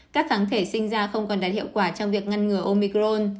các kháng thể sinh ra không còn đạt hiệu quả trong việc ngăn ngừa omicron